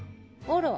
あら。